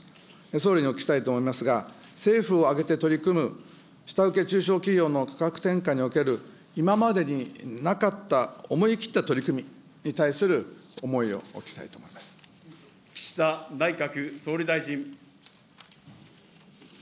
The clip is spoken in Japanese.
総理にお聞きしたいと思いますが、政府を挙げて取り組む、下請け中小企業の価格転嫁における、今までになかった思い切った取り組みに対する思いをお聞きしたい岸田内閣総理大臣。